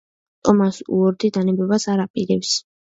ტომას უორდი დანებებას არ აპირებს.